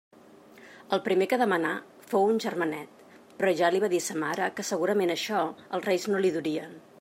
El primer que demanà fou un germanet, però ja li va dir sa mare que segurament «això» els Reis no li ho durien.